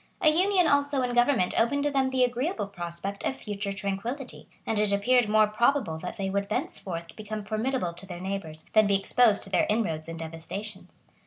A union also in government opened to them the agreeable prospect of future tranquillity; and it appeared more probable that they would thenceforth become formidable to their neighbors, than be exposed to their inroads and devastations.